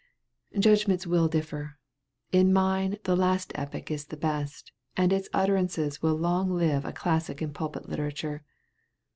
Judgments will differ: in mine the last epoch is the best, and its utterances will long live a classic in pulpit literature.